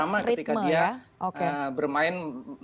irama ketika dia bermain